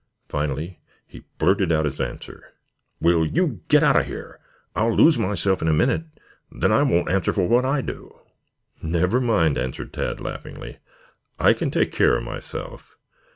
Finally he blurted out his answer: "Will you git out of here? I'll lose myself in a minit; then I won't answer for what I do." "Never mind," answered Tad laughingly. "I can take care of myself.